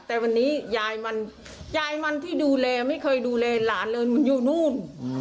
แต่วันนี้ยายมันยายมันที่ดูแลไม่เคยดูแลหลานเลยมันอยู่นู่น